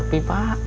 masih sepi pak